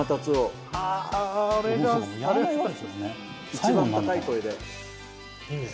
一番高い声で。